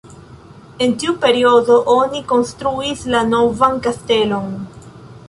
En tiu periodo oni konstruis la novan kastelon.